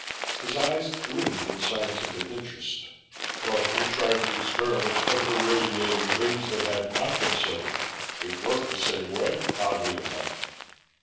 His eyes gleamed with scientific interest. "But we tried the experiment of irradiating limbs that had not been severed. It worked the same way, oddly enough.